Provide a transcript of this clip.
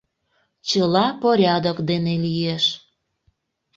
Чыла порядок дене лиеш.